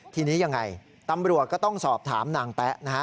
ทีนี้ยังไงตำรวจก็ต้องสอบถามนางแป๊ะนะฮะ